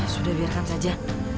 sudah biarkan saja